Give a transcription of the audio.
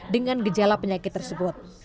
dengan gejala penyakit tersebut